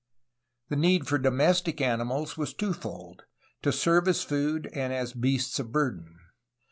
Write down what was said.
The need for domestic animals was twofold: to serve as food and as beasts of burden.